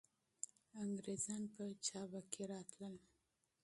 انګریزان په چابکۍ راتلل.